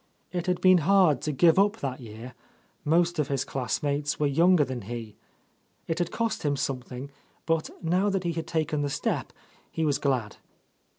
It had been hard to give up that year; most of his classmates were younger than — 141— A Lost Lady he. It had cost him something, but now that he had taken the step, he was glad.